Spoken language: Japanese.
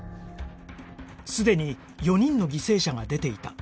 すでに４人の犠牲者が出ていた